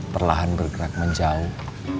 perlahan bergerak menjauh